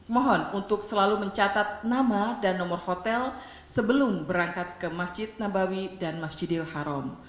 mohon untuk selalu mencatat nama dan nomor hotel sebelum berangkat ke masjid nabawi dan masjidil haram